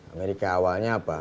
amerika awalnya apa